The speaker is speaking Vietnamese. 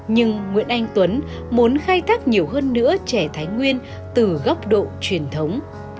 nhưng nguyễn anh tuấn muốn khai thác nhiều hơn nữa trẻ thái nguyên từ góc độ truyền thống